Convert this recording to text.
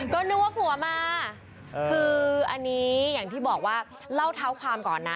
ก็นึกว่าผัวมาคืออันนี้อย่างที่บอกว่าเล่าเท้าความก่อนนะ